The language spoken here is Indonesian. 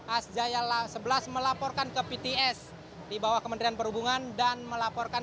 as jaya sebelas melaporkan ke pts di bawah kementerian perhubungan